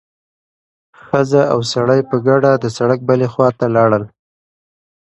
ښځه او سړی په ګډه د سړک بلې خوا ته لاړل.